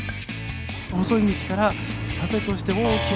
細い道から左折をして大きな。